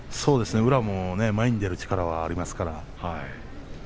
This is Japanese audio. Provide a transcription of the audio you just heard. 宇良も前に出る力はありますから。